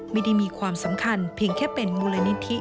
ไม่ได้มีความสำคัญเพียงแค่เป็นมูลนิธิ